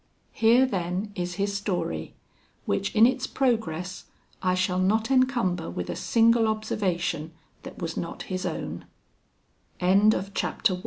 Here, then, is his story, which in its progress I shall not encumber with a single observation that was not his own. II I loved Ophelia!